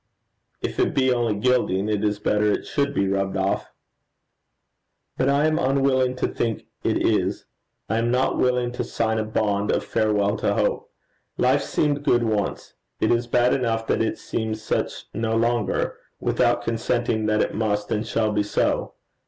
'If it be only gilding, it is better it should be rubbed off.' 'But I am unwilling to think it is. I am not willing to sign a bond of farewell to hope. Life seemed good once. It is bad enough that it seems such no longer, without consenting that it must and shall be so.